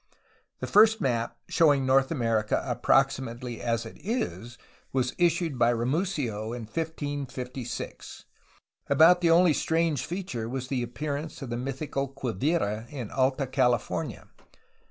The first map showing North America approximately as it is was issued by Ramusio in 1556. About the only strange feature was the appearance of the mythical Quivira in Alta California.